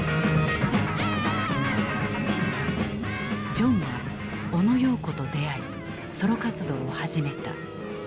ジョンはオノ・ヨーコと出会いソロ活動を始めた。